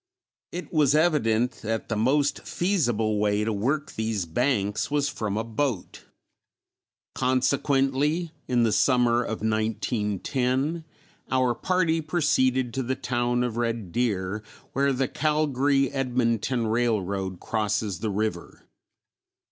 It was evident that the most feasible way to work these banks was from a boat; consequently in the summer of 1910 our party proceeded to the town of Red Deer, where the Calgary Edmonton railroad crosses the river.